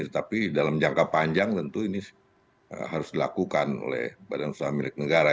tapi dalam jangka panjang tentu ini harus dilakukan oleh badan usaha milik negara